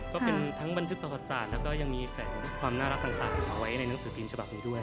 ก็เป็นทั้งบันทึกประวัติศาสตร์แล้วก็ยังมีแสงความน่ารักต่างเอาไว้ในหนังสือพิมพ์ฉบับนี้ด้วย